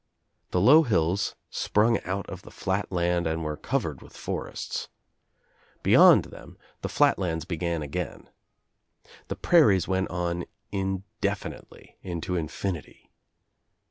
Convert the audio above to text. The low hills sprang out of the flat land and were covered with forests. Beyond them the Bat lands began again. The prairies went on indefinitely, into infinity.